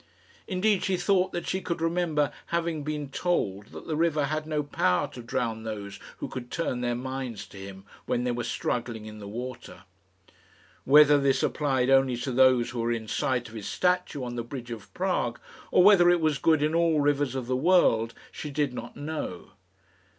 Indeed she thought that she could remember having been told that the river had no power to drown those who could turn their minds to him when they were struggling in the water. Whether this applied only to those who were in sight of his statue on the bridge of Prague, or whether it was good in all rivers of the world, she did not know.